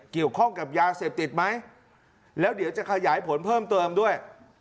เกี่ยวข้องกับยาเสพติดไหมแล้วเดี๋ยวจะขยายผลเพิ่มเติมด้วย